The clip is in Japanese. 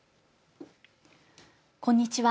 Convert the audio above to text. こんにちは。